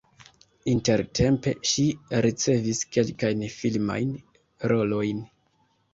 Intertempe ŝi ricevis kelkajn filmajn rolojn.